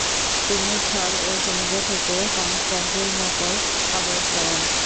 তিনি স্থল ও সমুদ্র থেকে কনস্টান্টিনোপল অবরোধ করেন।